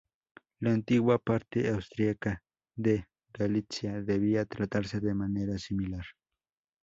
La antigua parte austríaca de Galitzia debía tratarse de manera similar.